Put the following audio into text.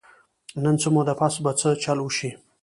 نو څۀ موده پس به څۀ چل اوشي -